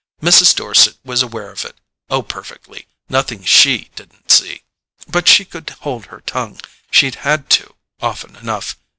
Mrs. Dorset was aware of it—oh, perfectly: nothing SHE didn't see! But she could hold her tongue—she'd had to, often enough.